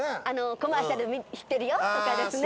コマーシャル知ってるよとかですね。